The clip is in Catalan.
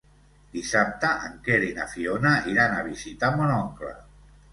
Dissabte en Quer i na Fiona iran a visitar mon oncle.